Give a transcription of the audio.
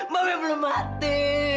mbak be belum mati